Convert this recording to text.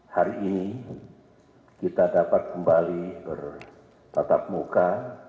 hari ini kita dapat kembali bertatap muka